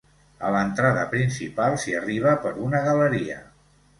A l'entrada principal s'hi arriba per una galeria.